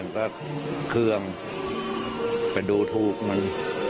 ก็เครื่องไปดูถูกมัน